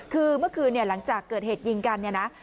คือเมื่อคืนหลังจากเกิดเหตุยิงกัน